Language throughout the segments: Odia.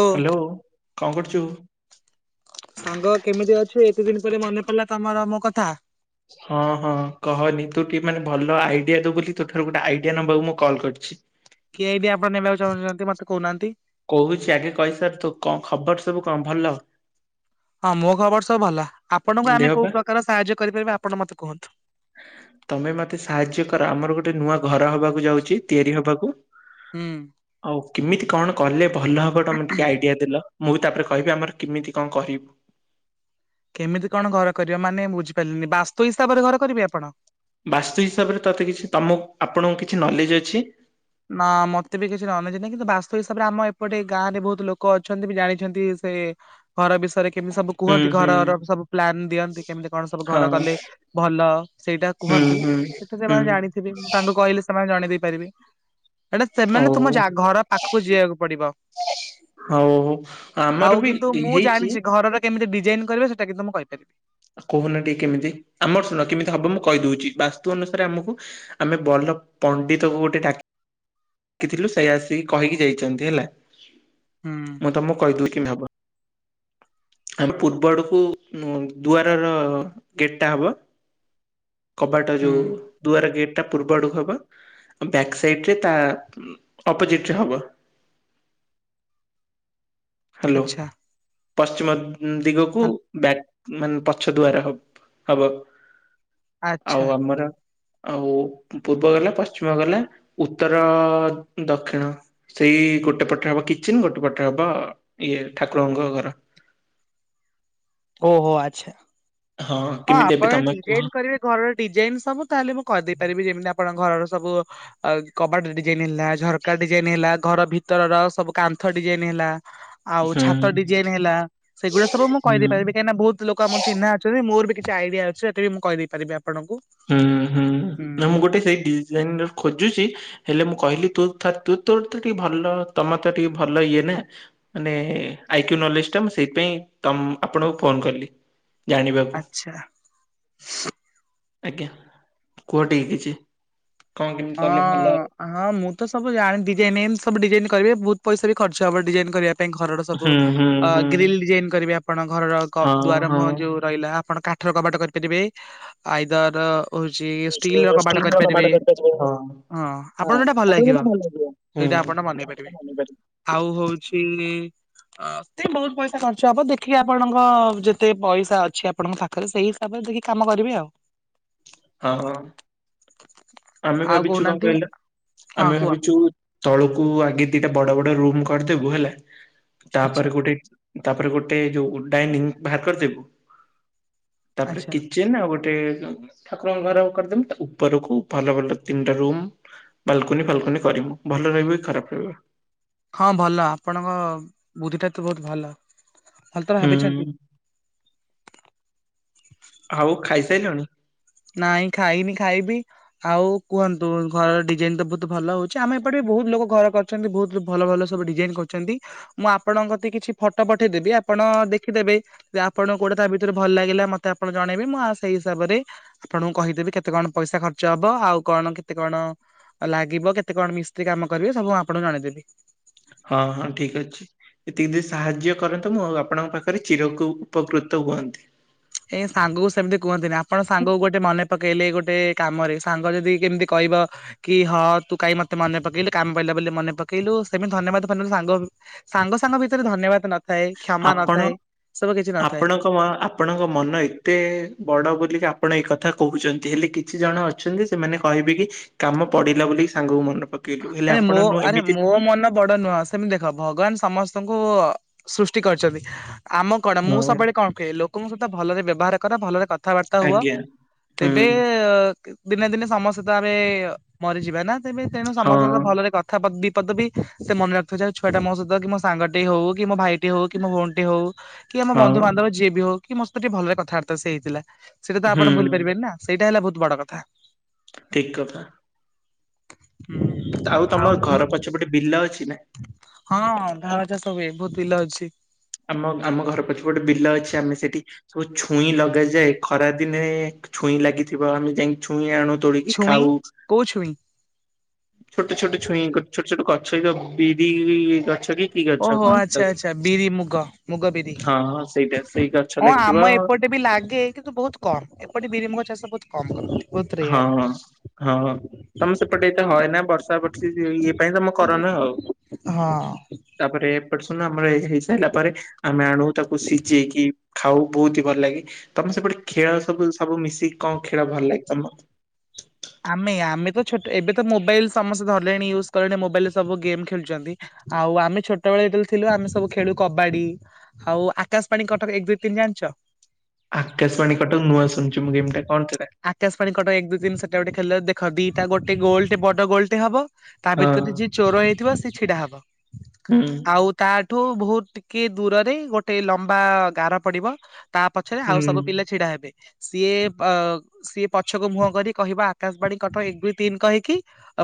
ଓ ହାଲୋ କଣ କରଚୁ? ସାଙ୍ଗ କେମିତି ଅଛୁ ଏତେ ଦିନ ପରେ ମନେ ପଡିଲା ତମର ମୋ କଥା। ହଁ ହଁ କହନି ତୁ ଟିକେ ମାନେ ଭଲ ଆଇଡିଆ ଦୋବୁ ବୋଲି ତୋଠାରୁ ଗୋଟେ ଆଇଡିଆ ନବାକୁ ମୁଁ ମୁଁ କଲ୍ କରଚି। କି ଆଇଡିଆ ଆପଣ ନେବାକୁ ଚାହୁଁଚନ୍ତି ମତେ କୋହୁନାହାନ୍ତି। କୋହୁଚି ଆଗେ କହିସାରେ ତୋ କଣ ଖବର ସବୁ କଣ ଭଲ? ହଁ ମୋ ଖବର ସବୁ ଭଲ ଆପଣଙ୍କୁ ଆମେ ଦେହ ପା? କୋଉ ପ୍ରକାର ସାହାଯ୍ୟ କରିପାରିବା ଆପଣ ମତେ କୁହନ୍ତୁ। ତମେ ମତେ ସାହାଯ୍ୟ କର ଆମର ଗୋଟେ ନୂଆ ଘର ହବାକୁ ଯାଉଚି ତିଆରି ହବାକୁ। ହୁଁ। ଆଉ କେମିତି କଣ କଲେ ଭଲ ହବ ତମେ ଟିକେ ଆଇଡିଆ ଦେଲ। ମୁଁ ବି ତାପରେ କହିବି ଆମର କେମିତି କଣ କରିବୁ। କେମିତି କଣ ଘର କରିବ ମାନେ ବୁଝିପାଇଲିନି ବାସ୍ତୁ ହିସାବରେ ଘର କରିବେ ଆପଣ। ବାସ୍ତୁ ହିସାବରେ ତତେ କିଛି ତମୁକୁ ଆପଣଙ୍କୁ କିଛି ନଲେଜ ଅଛି? ନା ମତେ ବି କିଛି ନଲେଜ୍ ନାହିଁ କିନ୍ତୁ ବାସ୍ତୁ ହିସାବରେ ଆମ ଏପଟେ ଏ ଗାଁରେ ବୋହୁତ ଲୋକ ଅଛନ୍ତି ବି ଜାଣିଛନ୍ତି ସେଇ ଘର ବିଷୟରେ କେମିତି ସବୁ ହୁଁ କୁହନ୍ତି ହୁଁ ଘରର ସବୁ ପ୍ଲାନ ଦିଅନ୍ତି କେମିତି କଣ ସବୁ ଘର ହଁ କଲେ ଭଲ ସେଇଟା ହୁଁ କୁହନ୍ତି ହୁଁ ସେଠୁ ହୁଁ ସେମାନେ ଜାଣିଥିବେ ମୁଁ ତାଙ୍କୁ କହିଲେ ସେମାନେ ଜଣି ଦେଇପାରିବେ। ଏଇଟା ଓ ସେମାନେ ତମ ଜା ଘର ପାଖକୁ ଯିବାକୁ ପଡିବ। ହଉ ହଉ। ଆମର ଆଉ ବି କିନ୍ତୁ ମୁଁ ହେଇଛି ଜାଣିଚି ଘରର କେମିତି ଡିଜାଇନ କରିବେ ସେଟା କିନ୍ତୁ ମୁଁ କହିପାରିବି। କୋହୁନା ଟିକେ କେମିତି ଆମର ଶୁଣ କେମିତି ହବ ମୁଁ କହିଦୋଉଚି ବାସ୍ତୁ ଅନୁସାରେ ଆମୁକୁ ଆମେ ବଲ ପଣ୍ଡିତକୁ ଗୋଟେ ଡାକି ଡାକିଥିଲୁ ସେ ଆସିକି କହିକି ଯାଇଚନ୍ତି ହେଲା ହୁଁ ମୁଁ ତମକୁ କହିଦୋଉଚି କେମତି ହବ। ଆମେ ପୂର୍ବ ଆଡ଼କୁ ନୁ ଦୁଆରର ଗେଟଟା ହବ। କବାଟ ହୁଁ ଯୋଉ ଦୁଆର ଗେଟଟା ପୂର୍ବ ଆଡକୁ ହବ ଆଉ ବ୍ୟାକ୍ ସାଇଡରେ ତା ଅପୋଜିଟରେ ହବ। ହାଲୋ ଆଚ୍ଛା ପଶ୍ଚିମ ଦିଗକୁ ଆ ବ୍ୟା ମାନେ ପଛ ଦୁଆର ହ ହବ ଆଚ୍ଛା। ଆଉ ଆମର ଆଉ ପୂର୍ବ ଗଲା ପଶ୍ଚିମ ଗଲା ଉତ୍ତର, ଦକ୍ଷିଣ। ସେଇ ଗୋଟେ ପଟରେ ହବ କିଚେନ ଗୋଟେ ପଟରେ ହବ ଇଏ ଠାକୁରଙ୍କ ଘର। ଓହୋ ଆଚ୍ଛା। ହଁ କେମିତି ଏବେ ଆପଣ ତମେ କୁହ ଡିଜାଇନ କରିବେ ଘରର ଡିଜାଇନ ସବୁ ତାହେଲେ ମୁଁ କହିଦେଇ ପାରିବି ଯେମିତି ଆପଣ ଘରର ସବୁ ଆଉ କବାଟ ଡିଜାଇନ ହେଲା ଝରକା ଡିଜାଇନ ହେଲା ଘର ଭିତରର ସବୁ କାନ୍ଥ ଡିଜାଇନ ହେଲା ଆଉ ହୁଁ ଛାତ ଡିଜାଇନ ହେଲା ସେଗୁଡା ସବୁ ମୁଁ ହୁଁ। କହିଦେଇ ପାରିବି କାହିଁକିନା ବୋହୁତ ଲୋକ ଆମର ଚିହ୍ନା ଅଛନ୍ତି ମୋର ବି କିଛି ଆଇଡିଆ ଅଛି ଏତେ ବି ମୁଁ କହିଦେଇ ପାରିବି ଆପଣଙ୍କୁ। ହୁଁ ହୁଁ ନା ମୁଁ ଗୋଟେ ସେଇ ଡିଜାଇନର ଖୋଜୁଛି ହେଲେ ମୁଁ କହିଲି ତୁ ଥର ତୁ ତୋର ତ ଟିକେ ଭଲ ତମର ତ ଟିକେ ଭଲ ଇଏ ନା ମାନେ ଆଇକ୍ୟୁ ନଲେଜଟା ମୁଁ ସେଇଥିପାଇଁ ତମୁ ଆପଣଙ୍କୁ ଫୋନ କଲି ଜାଣିବାକୁ। ଆଚ୍ଛା ଆଜ୍ଞା କୁହଟିକେ କିଛି କଣ କେମିତି କଲେ ଭଲ ହବ। ହଁ ହଁ ମୁଁ ତ ସବୁ ଜାଣି ଡିଜାଇନ ଏମତି ସବୁ ଡିଜାଇନ କରିବେ ବୋହୁତ ପଇସା ବି ଖର୍ଚ୍ଚ ହବ ଡିଜାଇନ କରିବା ପାଇଁ ଘରର ସବୁ ହୁଁ ହୁଁ ଅ ହୁଁ ଗ୍ରିଲ ଡିଜାଇନ କରିବେ ଆପଣ ଘରର କ ହଁ ଦୁଆର ମୁହଁ ହଁ। ଯୋଉ ରହିଲା ଆପଣ କାଠର କବାଟ କରିପାରିବେ ଆଇଦର-ଅ ହଉଛି ଷ୍ଟିଲ ର କବାଟ କରିପାରିବେ। ଆପଣକୁ ଯୋଉଟା ଭଲ ଲାଗିବ। ସେଇଟା ଆପଣ ବନେଇ ପାରିବେ ଆଉ ହଉଛି-ଇ-ଇ-ଇ ତେ ବହୁତ ପଇସା ଖର୍ଚ୍ଚ ହବ ଦେଖିକି ଆପଣଙ୍କ ଯେତେ ପଇସା ଅଛି ଆପଣଙ୍କ ଖା ତାହାଲେ ସେଇ ହିସାବରେ ଦେଖିକି କାମ କରିବେ ଆଉ। ହଁ ହ। ଆମେ ଆଉ ଭାବିଛୁ କଣ କହୁନାହାନ୍ତି କହିଲ, ହଁ ଆମେ କୁହ ଭାବିଛୁ ତଳକୁ ଆଗେ ଦିଟା ବଡ ବଡ ରୁମ୍ କରିଦେବୁ ହେଲା ଆଚ୍ଛା ତାପରେ ଗୋଟେ ତାପରେ ଗୋଟେ ଯୋଉ ଡାଇନିଂ ବାହାର କରିଦେବି ତାପରେ ଆଚ୍ଛା। କି ଚେନ ଆଉ ଗୋଟେ ଉ ଠାକୁରଙ୍କ ଘର କରିଦେବୁ ତା ଉପରକୁ ଭଲ ଭଲ ତିନିଟା ରୁମ୍ ବାଲକୁନି ଫାଲକୁନି କରିବୁ। ଭଲ ରହିବ କି ଖରାପ ରହିବ? ହଁ ଭଲ ଆପଣଙ୍କ ବୁଦ୍ଧିଟା ତ ବହୁତ ଭଲ, ଭଲ ତ ହୁଁ ଭାବିଛନ୍ତି। ଆଉ ଖାଇସାଇଲଣି? ନାଇଁ ଖାଇନି ଖାଇବି। ଆଉ କୁହନ୍ତୁ ଘର ଡିଜାଇନ ତ ବହୁତ ଭଲ ହଉଛି ଆମେ ଏପଟେ ବି ବହୁତ ଲୋକ ଘର କର କରିଛନ୍ତି ବହୁତ ଭଲ ଭଲ ସବୁ ଡିଜାଇନ କରୁଛନ୍ତି। ମୁଁ ଆପଣଙ୍କ କତି କିଛି ଫଟୋ ପଠେଇଦେବି ଆପଣ ଦେଖିଦେବେ। ଯେ ଆପଣଙ୍କୁ କୋଉଟା ତା ଭିତରୁ ଭଲ ଲାଗିଲା ମତେ ଆପଣ ଜଣେଇବେ ମୁଁ ଆ ସେଇ ହିସାବରେ ଆପଣଙ୍କୁ କହିଦେବି କେତେ କଣ ପଇସା ଖର୍ଚ୍ଚ ହବ ଆଉ କଣ କେତେ କଣ ଲାଗିବ କେତେ କଣ ମିସ୍ତ୍ରୀ କାମ କରିବେ ସବୁ ଆପଣଙ୍କୁ ଜଣେଇଦେବି। ହଁ ହଁ ଠିକ୍ ଅଛି। ଏତିକି ଦି ସାହାଯ୍ୟ କରନ୍ତୁ ମୁଁ ଆଉ ଆପଣଙ୍କ ପାଖରେ ଚିରକୁ ଉପକୃତ ହୁଅନ୍ତି। ଏ ସାଙ୍ଗକୁ ସେମିତି କୁହନ୍ତିନି ଆପଣ ସାଙ୍ଗକୁ ଗୋଟେ ମନେ ପକେଇଲେ ଗୋଟେ କାମରେ ସାଙ୍ଗ ଯଦି କେମିତି କହିବ କି ହଁ ତୁ କାଇହିଁ ମତେ ମନେ ପକେଇଲୁ କାମ କିଲା ବୋଲି ମନେ ପକେଇଲୁ ସେମିତି ଧନ୍ୟବାଦ ଧନ୍ୟବାଦ ସାଙ୍ଗ। ସାଙ୍ଗ ସାଙ୍ଗ ଭିତରେ ଧନ୍ୟବାଦ ନଥାଏ, କ୍ଷମା ଆପଣ ନଥାଏ, ସବୁ କିଛି ନଥାଏ। [unintelligible] ଆପଣଙ୍କ ମନ ଏତେ ବଡ଼ ବୋଲି କି ଆପଣ ଏ କଥା କହୁଛନ୍ତି ହେଲେ କିଛି ଜଣ ଅଛନ୍ତି ସେମାନେ କହିବେ କି କାମ ପଡିଲା ବୋଲି ସାଙ୍ଗକୁ ମନେ ପକେଇଲୁ ହେଲେ ଆରେ ମୋ ଆପଣ ନୁହ ଆରେ ଏମିତି ମୋ ନୁହଁ। ମନ ବଡ ନୁହ ସେମିତି ଦେଖ ଭଗବାନ ସମସ୍ତଙ୍କୁ-ଉ-ଉ-ଉ ସୃଷ୍ଟି କରିଛନ୍ତି। ଆମ କଣ ମୁଁ ହଁ ସବୁବେଳେ କଣ କୁହେ ଲୋକଙ୍କ ସହିତ ଭଲରେ ବ୍ୟବହାର କର ଭଲରେ କ ଥାବାର୍ତ୍ତା ହୁଅ ଆଜ୍ଞା ହୁଁ ତେବେ-ଏ-ଏ-ଏ ଦିନେ ଦିନେ ସମସ୍ତେ ତ ଆମେ-ଏ-ଏ-ଏ ମରିଯିବା ନା ତେବେ ତେଣୁ ସମସ୍ତଙ୍କତ ହଁ ଭଲରେ କ ଥା ଦିପଦ ବି ସେ ମନେ ରଖୁଥିବ ଯ ଛୁଆଟା ମୋ ସହିତ କି ମୋ ସାଙ୍ଗଟି ହଉ କି ମୋ ଭାଇଟି ହଉ କି ମୋ ଭଉଣୀଟି ହଉ କି ଆମ ହଁ ବନ୍ଧୁବାନ୍ଧବ ଯିଏ ବି ହଉ କି ମୋ ସହିତ ଟିକେ ଭଲରେ କଥାବାର୍ତ୍ତା ସେ ହେଇଥିଲା। ସେଟା ତ ହୁଁ ଆପଣ ଭୁଲି ପାରିବେନି ନା। ସେଇଟା ହେଲା ବହୁତ ବଡ କଥା। ଠିକ୍ କଥା। ଆଉ ତମର ଘର ପଛପଟେ ବିଲ ଅଛି ନା? ହଁ ଧାନ ଚାଷ ହୁଏ ବହୁତ ବିଲ ଅଛି। ଆମ ଆମ ଘର ପଛପଟେ ଗୋଟେ ବିଲ ଅଛି ଆମେ ସେଠି ସବୁ ଛୁଇଁ ଲଗାଯାଏ ଖରା ଦିନେ ଛୁଇଁ ଲାଗିଥିବ ଆମେ ଯାଇ ଛୁଇଁ ଆଣୁ ତୋଳିକି ଛୁଇଁ ଖାଉ। କୋଉ ଛୁଇଁ? ଛୋଟ ଛୋଟ ଛୁଇଁ କୁ ଛୋଟ ଛୋଟ ଗଛ ଯ ବିରି-ଇ-ଇ-ଇ ଗଛ କି କି ଗଛ ଓହୋ କହନ୍ତି ଆଚ୍ଛା ତାକୁ? ଆଚ୍ଛା ବିରି ମୁଗ ମୁଗ ବିରି, ହଁ ହଁ ସେଇଟା ସେଇ ଗଛ ହଁ ଲାଗିଥିବ ଆମ ଏପଟ ଏବି ଲାଗେ କିନ୍ତୁ ବହୁତ୍ କମ୍ ଏପଟେ ବିରିମୁଗ ଚାଷ ବହୁତ୍ କମ୍ ହଁ ରେୟାର। ହଁ ହଁ ହଁ ତମେ ସେପଟେ ଏତେ ହଏନା ବର୍ଷା ବର୍ଷ ଇଏ ପାଇଁ ତମ କରନା ଆଉ। ହଁ ତାପରେ ଏପଟେ ସୁନ ଆମର ହେଇ ସାରିଲା ପରେ ଆମେ ଆଣୁ ତାକୁ ସିଝେଇକି ଖାଉ ବହୁତହି ଭଲ ଲାଗେ ତମେ ସେପଟେ ଖେଳ ସବୁ ସବୁ ମିଶିକି କଣ ଖେଳ ଭଲ ଲାଗେ ତମ ଆମେ ଆମେତ ଛୋଟ ଏବେତ ମୋବାଇଲ୍ ସମସ୍ତେ ଧରଲେଣି ୟୁଜ କଲେଣି ମୋବାଇଲରେ ସବୁ ଗେମ୍ ଖେଳୁଛନ୍ତି। ଆଉ ଆମେ ଛୋଟବେଳେ ଯେତେଳେ ଥିଲୁ ଆମେ ସବୁ ଖେଳୁ କବାଡ଼ି ଆଉ ଆକାଶବାଣୀ କଟକ ଏକ ଦୁଇ ତିନି ଜାଣିଛ? ଆକାଶବାଣୀ କଟକ ନୁଆ ଶୁଣୁଚି ମୁଁ ଗେମଟା କଣ ସେଟା। ଆକାଶ ପାଣୀ କଟକ ଏକ ଦୁଇ ତିନ ସେଟା ଗୋଟେ ଖେଲ ଦେଖ ଦିଟା ଗୋଟ ଗୋଲଟେ ବଡ଼ ଗୋଲଟେ ହବ ତା ହଁ ଭିତରେ ଯିଏ ଚୋର ହେଇଥିବ ସେଛିଡ଼ା ହବ। ହୁଁ। ଆଉ ତାଠୁ ବହୁତ୍ ଟିକେ ଦୂରରେ ଗୋଟେ ଲମ୍ବା ଗାର ପଡ଼ିବ ତା ପଛରେ ହୁଁ ଆଉ ସବୁ ପିଲା ଛିଡ଼ା ହେବେ ସିଏ ଅ ସିଏ ପଛକୁ ମୁହଁ କରି କହିବ ଆକାଶବାଣୀ କଟକ ଏକ ଦୁଇ ତିନି କହିକି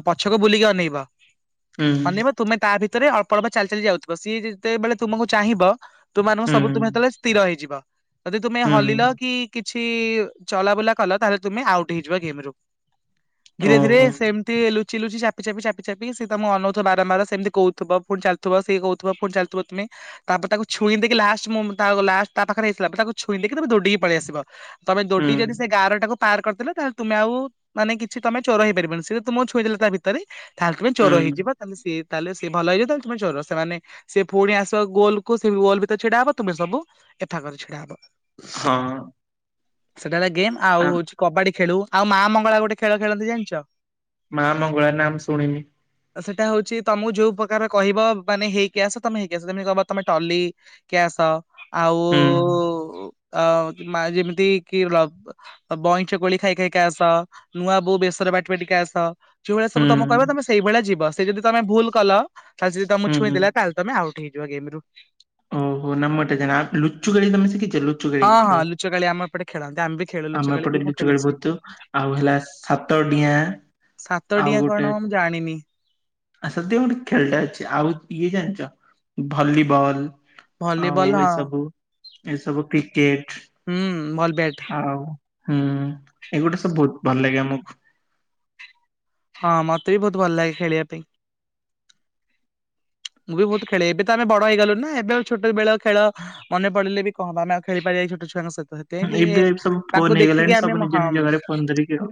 ପଛକୁ ବୁଲିକି ଅନେଇବ ହୁଁ ଅନେଇବ ତୁମେ ତାଭିତରେ ଅଳ୍ପ ଅଳ୍ପ ଚାଲି ଚାଲି ଯାଉଥିବ ସିଏ ଯେତେବେଳେ ତୁମକୁ ଚାହିଁବ ତୁମାନଙ୍କୁ ହୁଁ ସବୁ ତୁମେ ଯେତେଳେ ସ୍ଥିର ହେଇଯିବ ଯଦି ତୁମେ ହଲିଲ ହୁଁ କି କିଛି ଚଲାବୁଲା କଲ ତାହଲେ ତୁମେ ଆଉଟ୍ ହେଇଯିବ ଗେମ୍ ରୁ। ଧୀରେ ଧୀରେ ଓହୋ ସେମିତି ଲୁ ଲୁଚି ଲୁଚି ଚାପି ଚାପି ଚାପି ଚାପି ସିଏ ତମକୁ ଅନଉଥ ବାରମ୍ବାର ସେମିତି କହୁଥିବ ପୁଣି ଚାଲୁଥିବ ସିଏ କହୁଥିବୁ ଫୁଣି ଚାଲୁଥିବ ତୁମେ ତାପରେ ତାକୁ ଛୁଇଁ ଦେଇକି ଲାଷ୍ଟ ମୁଁ ଲଷ୍ଟ ତା ପାଖରେ ହେଇ ସାରିଲାଣି ପରେ ତାକୁ ଛୁଇଁ ଦେଇକି ତାମେ ଦୌଡେଇିକି ପଳେଇ ଆସିବ। ତମେ ହୁଁ ଦୈଡିକି ଯଦି ସେଗାଁର ଟାକୁ ପାର କରିଦେଲ ତାହାଲେ ତୁମେ ଆଉ ମାନେ କିଛି ତମେ ଚୋର ହେଇପାରିବନି ସେତୁମକୁ ଛୁଇ ଦେଲେ ତାଭିତରେ ତାହେଲେ ତମେ ଚୋର ହୁଁ ହେଇଯିବ ତାହେଲେ ସିଏ ତାହେଲେ ସେଏ ଭଲଇିବ ତାହେଲେ ତମେ ଚୋର ସେମାନେ ସେ ପୁଣି ଆସିବ ଗୋଲକୁୁ ସେ ଗୋଲ ଭିତରେ ଛିଡା ହବ ତୁମେ ସବୁ ଏଫା କରେ ଛିଡା ହବ। ହଁ। ସେଟା ହେଲା ଗେମ୍ ଆଉ ଆ ହଉଛି କବାଡ଼ି ଖେଳୁ ଆଉ ମାମଙ୍ଗଳା ଗୋଟେ ଖେଳ ଖେଳନ୍ତି ଜାଣିଚ? ମା ମଙ୍ଗଳା ନା ମୁଁ ଶୁଣିନି। ସେଇଟା ହଉଚି ତମକୁ ଯୋଉ ପ୍ରକାର କହିବ ମାନେ ହେଇକି ଆସ ତମେ ହେଇକି ଆସ ତମେ କହିବ ତମେ ଟଲି କ୍ୟାସ ଆଉ ହୁଁ ଅ ମା ଯେମିତିକି ବଇଁଚ କୋଳି ଖାଇ ଖାଇ ଟିକେ ଆସ ନୂଆ ବୋଉ ବେଶସରେ ବାଟିବା ଟିକେ ଆସ ଯଉଭଳି ହୁଁ ସବୁ ତମକୁ କହିବ ତମେ ସେଇଭଳିଆ ଯିବ ସେଯଦି ତମେ ଭୁଲ କଲ ତାହେଲେ ଯଦି ତମେ ହୁଁ ଛୁଇଁ ହୁଁ ଦେଲା ତାହେଲେ ତମେ ଆଉଟ୍ ହେଇଯିବ ଗେମ୍ ରୁ। ଓହୋ ନାମୋ ଜଣ ଲୁଚୁକାଳି ତମେ ଶିଖି ହଁ ହଁ ଲୁଚକାଳି ଆମ ଏପଟେ ଖେଳନ୍ତି ଆମେବି ଆମେ ଏପଟେ ଲୁଚୁକାଳି ବହୁତ୍ ଆଉ ହେଲା ସାତଡିଆଁ ସାତ ଆଉ ଡିଆଁ କଣ ଗୋଟେ ମୁଁ ଜାଣିନି। ଆ ସତ ଗୋଟେ ଖେଳଟା ଅଛି ଆଉ ଇଏ ଜାଣିଚ ଭଲିବଲ୍? ଆଉ ଭଲିବଲ ହଁ। ଏସବୁ ଏସବୁ କ୍ରିକେଟ୍। ହୁଁ ଭଲ୍ ବ୍ୟାଟ୍। ଆଉ ହୁଁ ଏଗୁଡ଼ା ସବୁ ବହୁତ୍ ଭଲ ଲାଗେ ଆମକୁ। ହଁ ମତେବି ବହୁତ୍ ଭଲ ଲାଗେ ଖେଳିବା ପାଇଁ। ମୁଁବି ବହୁତ୍ ଖେଳେ ଏବେତ ଆମେ ବଡ଼ ହେଇଗଲୁଣିନା ଏବେ ଛୋଟବେଳ ଖେଳ ମନେ ପଡ଼ିଲେବି କଁହବ ଆମେ ଆଉ ଖେଳି ପାରିବାକି ଛୋଟ ଛୁଆଙ୍କ ସହିତ। ତ ଟିକେ ଏବେ ସବୁ ଫୋନ ତାଙ୍କୁ ହେଇଗଲାଣି ଦେଖିକି ସବୁ ଆମେ ନିଜ ହଁ ନିଜ ଘରେ ଫୋନ ଧରିକି ଆଉ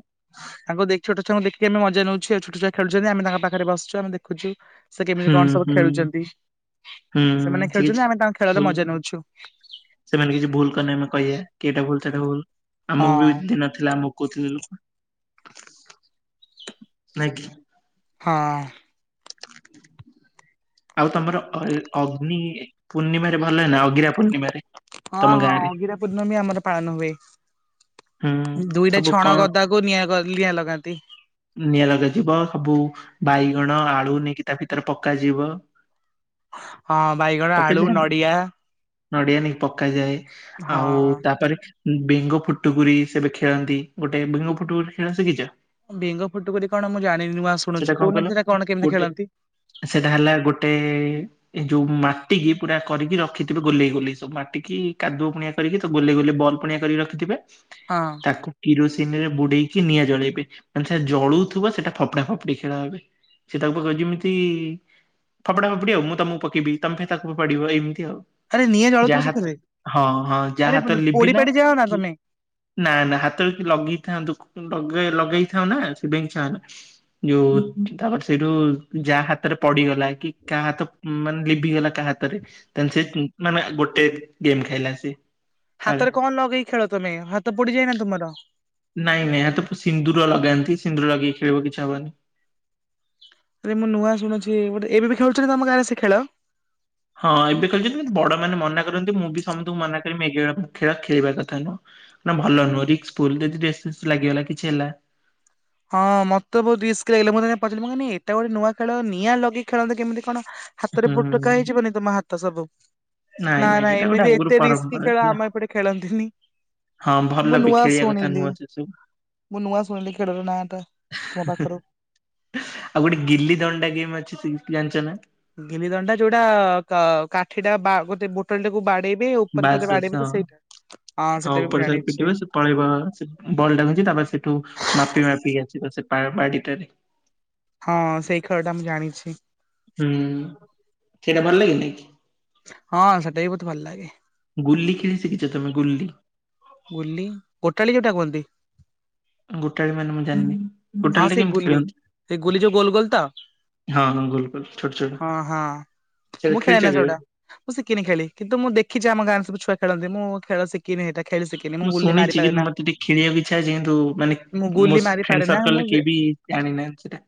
ତାଙ୍କୁ ଦେଖି ଛୁଆଙ୍କୁଖିମେ ମଜା ନେଛଉ ଛୋଟଛୁଆ ଖେଳଛନ୍ତି ଆମ ତା ପାଖରେ ବସୁ ଆମେଦେଖୁଛୁ। ସେ କେମିତି ହୁଁ କଣ ସବୁ ହୁଁ ଖେଳୁଛନ୍ତି ହୁଁ ସେମାନେ ସେ କିଛି ଖେଳୁଛନ୍ତି ଆମେ ତାଙ୍କ ଖେଳରେ ଭୁଲ ମଜା ନେଉଛୁ। ସେମାନେ କିଛି ଭୁଲ କରିନେ ଆେ କହିବାେ କିଇଟା ଭଲ ସେଇଟା ଭୁଲ। ଆମକୁ ବି ହଁ। ଦିନ ଥିଲା ଆମକୁ କହୁଥିଲେ ଲୋକ ନାଇଁ କି। ହଁ। ଆଉ ତମର ଅଲ ଅଗ୍ନି ପୂର୍ଣ୍ଣିମାରେ ଭଲ ନା ଅଗିରା ପୂର୍ଣ୍ଣିମାରେ? ହଁ ତମ ହଁ ଗାଁରେ ଅଗିରା ପୂର୍ଣ୍ଣମୀ ଆମର ପାଳନ ହୁଏ। ହୁଁ ଦୁଇଟା ସବୁ ଛଣ କଣ ଗଦାକୁ ନିଆଁଗ ନିଆଁ ଲଗାନ୍ତି। ନିଆଁ ଲଗାଯିବ ସବୁ ବାଇଗଣ ଆଳୁ ନେଇକି ତା ଭିତରେ ପକାଯିବ। ହଁ ବାଇଗଣ ପକେଇଛ ଆଳୁ ନା? ନଡିଆ। ନଡିଆ ନେଇକି ପକାଯାଏ ହଁ ଆଉ ତାପରେ ବେଙ୍ଗ ଫୁଟୁକୁରି ସେବେ ଖେଳନ୍ତି ଗୋଟେ ବେଙ୍ଗ ଫୁଟୁକୁରି ଖେଳ ଶିଖିଛ? ବେଙ୍ଗ ଫୁଟୁକୁରି କଣ ମୁଁ ଜାନିନି ନୂଆଁ ସେଟା ଶୁଣୁଚି କଣ କହିଲ କୋହୁନାହାନ୍ତି ସେ କଣ କେମିତି ଗୋଟେ ଖେଳନ୍ତି। ସେଟା ହେଲା ଗୋଟେ ଏ ଯୋଉ ମାଟି କିି ପୁରା କରିକି ରଖିଥିବେ ଗୋଲେଇ ଗୋଲେଇ ସବୁ ମାଟି କିି କାଦୁଅ ପୁଣିଆ ଗୋଲେଇ ଗୁଲେଇ ବଲ୍ ପୁଣିଆ କରି ରଖିଥିବେ। ହଁ। ତାକୁ କିରୋସିନ ରେ ବୁଡେଇକି ନିଆଁ ଜଳେଇବେ। ମାନେ ସେଟା ଜଳୁଥିବ ସେଟା ଫପଡା ଫପଡି ଖେଳ ହଏ ସେ ତାଙ୍କ ପାଖ ଯେମିତି ଫପଡା ଫପଡି ଆଉ ମୁଁ ତମକୁ ପକେଇବି ତମେ ଫେ ତାକୁ ଫପାଡିବ ଏମିତି ଆଉ। ଆରେ ନିଆଁ ଜଳୁଥିବ ଯାହା ସେଥିରେ ହଁ ହଁ ଆରେ ଯାହା ତ ପୋ- ପୋଡି ଲିଭିଲା ପାଡି ଯାଅ ନା କି ତମେ। ନା ନା ହାତରେ ଲଗେଇଥାନ୍ତୁ ଲଗେଇଥାଉ ନା ସେ ଆ ଯୋଉ ତାପରେ ସେଇଠୁ ଯା ହାତରେ ପଡିଗଲା କି କାହା ହାତ ମାନେ ଲିଭିିଗଲା କା ହାତରେ ତାହାଲେ ସେ ମାନେ ଗୋଟେ ଗେମ୍ ଖାଇଲା ସେ ଥରେ ହାତରେ କଣ ଲଗେଇ ଖେଳ ତମେ ହାତ ପୋଡିଯାଏନା ତୁମର? ନାଇଁ ନାଇଁ ଏହା ତ ସିନ୍ଦୁର ଲଗାନ୍ତି ସିନ୍ଦୁର ଲଗେଇକି ଖେଳିବ କିଛି ହବନି। ଆରେ ମୁଁ ନୂଆ ଶୁଛି ଗଟେବେ ବି ଖେଳଛନ୍ତି ତମ ଗାଁରେ ସେ ଖେଳ? ହଁ ଏବେ ଖେଳଛନ୍ତି କିନ୍ତୁ ବଡ ମାନେ ମନା କରନ୍ତି ମୁଁ ବି ସମସ୍ତଙ୍କୁ ମନା କରମି ଏ ଗେ ଖେଳ ଖେଳିବା କଥା ନୁହଁ। ଭଲ ନୁହଁ ରିକ୍ସ ପୁଲ ଯଦି ଡ୍ରେସ ଫ୍ରରେସ ରେ ଲାଗିଗଲା କିଛି ହେଲା। ହଁ ମତେ ବହୁତ ରିସ୍କ ଲାଗିଲ ମୁଁ ସେନାଗି ପଚାରିଲି କଁ ଏଟା ଗୋଟେ ନୂଆ ଖେଳ ନିଆଁ ଲଗି ଖେଳନ୍ତି କେମିତି କଣ? ହାତରେ ହୁଁ ଫୁଟୁକା ହେଇଯିବନି ତମ ହାତ ସବୁ? ନାଇଁ ନା ନାଇଁ ନା ଏଇଟା ଗୋଟେ ଏମିତି ଆଗରୁ ଏତେ ରିସ୍କି ପରମ୍ପରା ଖେଳ ଥିଲା ଆମ ଏପଟେ ଖେଳନ୍ତିନି। ହଁ ଭଲ ମୁଁ ବି ନୁଆ ଖେଳିବା କଥା ସୁଣିଲି ନୁହଁ ସେ ସବୁ। ମୁଁ ନୁଆ ସୁଣିଲି ଖେଳର ନା ଆଉ ଗୋଟେ ଗିଲ୍ଲିି ଦଣ୍ଡା ଗେମ୍ ଅଛି ଜାଣିଛ ନା? ଗିନି ଦଣ୍ଡା ଯୋଉଟା କାଠିଟା ବା ଗୋଟେ ବୋଟଲ ଟାକୁ ବାଡେଇ ଉପରେ ବାସ୍ ଥରେ ବାସ୍ ବାଡିବ ହଁ ତ ସେଇଟା ହଁ ସେଇଟା ବି ଉପର ମୁଁ ସାଇଡ୍ ପିଟିବ ଜାଣିଛି। ସେ ପଳେଇବ ବଲ ଧରିଛି ତାପରେ ସେଠୁ ମାପି ମାପିକି ଆସିବ ସେ ବାଡିଟାରେ ହଁ ସେଇ ଖେଳଟା ମୁଁ ଜାଣିଛି। ହୁଁ ସେଇଟା ଭଲ ଲାଗେ ନାଇଁ କି? ହଁ ସେଟା ବି ବହୁତ ଭଲ ଲାଗେ। ଗୁଲି ଖେଳି ଶିଖିଛ ତମେ ଗୁଲି ଗୁଲି ଗୋଟାଳି ଯୋଉଟା କୁହନ୍ତି। ଗୋଟାଳି ମାନେ ମୁଁ ଜାଣିନି ହଁ ଗୋଟାଳି ଟା ସେ କେମିତି ଗୁଲି ଖେଳନ୍ତି? ସେ ଗୁଲି ଯୋଉ ଗୋଲ ଗୋଲ ତ? ହଁ ହଁ ଗୋଲ ଗୋଲ ଛୋଟ ଛୋଟ ହଁ ହଁ ମୁଁ ସେଇଟା ଖେଳେ ନା ଖେଳିଛ ସେଗୁଡା। କେବେ? ମୁଁ ଶିିଖିନୀ ଖେଳି କିନ୍ତ ମୁ ଦେଖିଛି ଆମ ଗଁରେ ସବୁ ଛୁଆ ଖେଳନ୍ତି ମୁଁ ଖେଳଶିଖିନି ହେଟା ଖେଳି ଶିଖି ମୁଁ ଶୁଣିଛି କିନ୍ତୁ ମତେ ଟିକେ ଖେଳିବାକୁ ଇଛା ଅଛି କିନ୍ତୁ ମାନେ ମୁଁ ମୋ ଗୁଲି ମାରି ସ ଫ୍ରେ ପାରେ ନା ମୁଁ ସର୍କଲ କିଏ ବି ଜାଣି ନାହାଁନ୍ତି ସେଟା।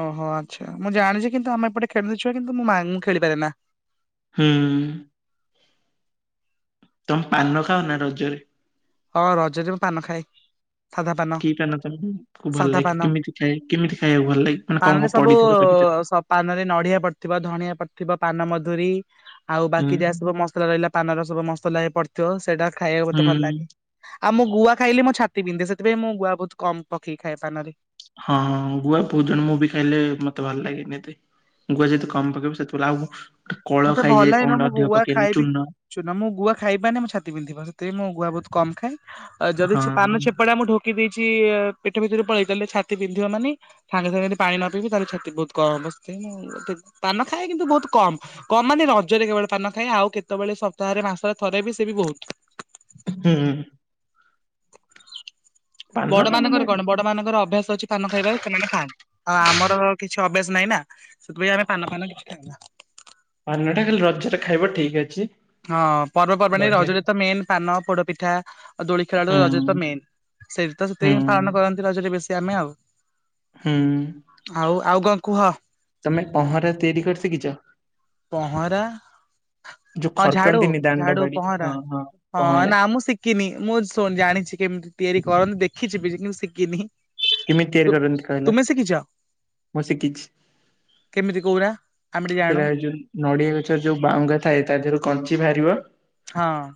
ଓହୋ ଆଚ୍ଛା ମୁଁ ଜାଣିଛି କିନ୍ତୁ ଆମେ ଏପଟେ ଖେଳନ୍ତି ଛୁଆ କିନ୍ତୁ ମୋ ମାଁ ଖେଳିପାରେ ନା ହୁଁ। ତମେ ପାନ ଖାଅନା ରଜରେ? ହଁ ରଜରେ ମୁଁ ପାନ ଖାଏ। କି ପାନ ତମକୁ ଭଲ ସାଧା ଲାଗେ କି ପାନ। କେମିତି ଖାଇ କେମିତି ଖାଇବାକୁ ଭଲ ଲାଗେ ମାନେ କଣ ପାନରେ କଣ ସବୁ ପଡିଥିବ ତା ଭିତରେ। ସ ପାନରେ ନଡିଆ ପଡ଼ିଥିବ ଧଣିଆ ପଡ଼ିଥିବ ପାନ ମଧୁରୀ ଆଉ ହୁଁ। ବାକି ଯାହା ସବୁ ମସଲା ରହିଲା ପାନର ସବୁ ମସଲା ହେ ପଡ଼ିଥିବ ସେଇଟା ଖାଇବାକୁ ହୁଁ ମୋତେ ଭଲ ଲାଗେ। ଆଉ ମୁଁ ଗୁଆ ଖାଇଲେ ମୋ ଛାତି ପିନ୍ଧେ ସେଥିପାଇଁ ମୁଁ ଗୁଆ ବହୁତ କମ ପକେଇକି ଖାଏ ପାନରେ। ହଁଁ ହଁ ଗୁଆ ବହୁତ୍ ଜନ ମୁଁ ବି ଖାଇଲେ ମତେ ଭଲ ଲାଗେନି ଏତେ ଗୁଆ ଯେତେ କମ ପକେଇବୁ ସେତେଭଲ ଆଉ ଗୋଟେ କଳ ଖାଇଯାଏ କଣ ଗେଟେ ଅଧିକ ପକେଇଲେ ଚୂନ। ଚୂନ ମୁଁ ଗୁଆ ଖାଇବି ମାନେ ମୋ ଛାତି ବିନ୍ଧିବ ସେଥିପାଇଁ ଗୁଆ ବହୁତ କମ ଖାଏ ଯଦି ହଁ। ପାନ ଛେପଟା ମୁଁ ଢୋ କି ଦେଇଛି ପେଟ ଭିତରେ ପଳେଇଛି ତାଲେ ଛାତି ବିନ୍ଧିବ ମାନେ - ସାଙ୍ଗେ ସାଙ୍ଗେ ଯଦି ପାଣି ନ ପିଇବି ତାହେଲେ ଛାତି ବହୁତ କଣ ହବ ସେଥିପାଇଁ ମୁଁ ପାନ ଖାଏ କିନ୍ତୁ ବହୁତ କମ୍। କମ୍ ମାନେ ରଜରେ କେବଳ ପାନ ଖାଏ ଆଉ କେତେବେଳେ ସପ୍ତାହରେ ମାସରେ ଥରେ ବି ସେବି ବହୁତ। ହୁଁ। ବଡ ପାନ ମାନେ ମାନଙ୍କର କଣ ବଡ ମାନଙ୍କର ଅଭ୍ୟାସ ଅଛି ପାନ ଖାଇବାରେ ସେମାନେ ଖାଆନ୍ତି ଆଉ ଆମର କିଛି ଅଭ୍ୟାସ ନାହିଁ ନା ସେଥିପାଇଁ ଆମେ ପାନ ଫାନ କିଛି ଖାଉନା। ପାନଟା ଖାଲି ରଜରେ ଖାଇବ ଠିକ୍ ଅଛି। ହଁ ପର୍ବପର୍ବାଣି ବଢିଆ ରଜରେ ତ ମେନ୍ ପାନ ପୋଡ ପିଠା ଆଉ ଦୋଳି ଖେଳ ଟା ହୁଁ ରଜରେ ତ ମେନ୍। ସେଇଠି ତ ହୁଁ। ସେଥିପାଇଁ ପାଳନ କରନ୍ତି ରଜରେ ବେଶୀ ଆମେ ଆଉ। ହୁଁ। ଆଉ ଆଉ କଣ କୁହ? ତମେ ପହଁରା ତିଆରି କରି ଶିଖିଛ? ପହଁରା ଯୋଉ ହଁ ଝାଡୁ ଖଡକନ୍ତିନି ଦାଣ୍ଡ ଝାଡୁ ବାଡି ପହଁରା ହଁ ହଁ ପହଁରା ନା ମୁଁ ଶି କିିନି ମୁଁ ଶୁ ଜାଣିଛି କେମିତି ତିଆରି କରନ୍ତି ଦେଖିଛି ବି କିନ୍ତୁ ଶିକିନି। କେମିତି ତିଆରି କରନ୍ତି କହିଲ ମୁଁ ଶିଖିଛି। କେମିତି କଉନା ଆମେ ଟିକେ ସେରା ଜାଣୁ। ଯୋଉ ନଡିଆ ଗଛରେ ଯୋଉ ବାହୁଙ୍ଗା ଥାଏ ତା ଦେହରୁ କାଞ୍ଚି ବାହାରିବ ହଁ।